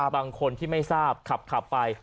บางคนที่ไม่ทราบขับไป